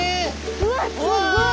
うわっすっごい！